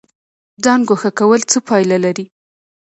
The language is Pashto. ځان ګوښه کول څه پایله لري؟